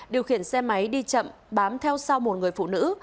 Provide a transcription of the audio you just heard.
điều khiển xe máy đi chậm bám theo sau một người phụ nữ